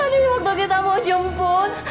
tadi waktu kita mau jemput